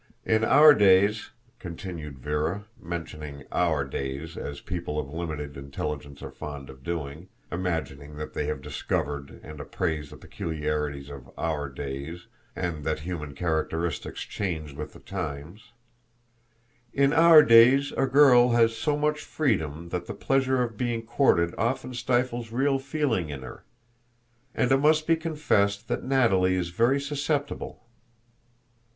In our days," continued Véra—mentioning "our days" as people of limited intelligence are fond of doing, imagining that they have discovered and appraised the peculiarities of "our days" and that human characteristics change with the times—"in our days a girl has so much freedom that the pleasure of being courted often stifles real feeling in her. And it must be confessed that Natalie is very susceptible."